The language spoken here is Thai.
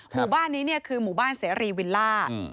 หมู่บ้านนี้เนี่ยคือหมู่บ้านเสรีวิลล่า